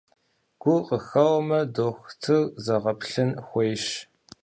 Гур къыхэуэмэ, дохутыр зэгъэплъын хуейщ.